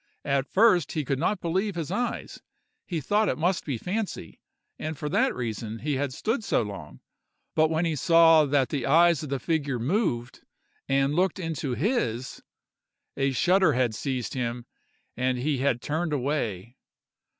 At first he could not believe his eyes; he thought it must be fancy, and for that reason he had stood so long; but when he saw that the eyes of the figure moved, and looked into his, a shudder had seized him, and he had turned away.